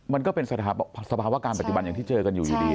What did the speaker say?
มันก็เป็นสภาวะการปัจจุบันอย่างที่เจอกันอยู่อยู่ดี